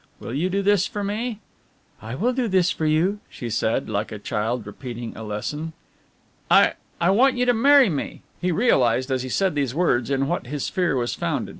Will you do this for me?" "I will do this for you," she said, like a child repeating a lesson. "I I want you to marry me." He realized as he said these words in what his fear was founded.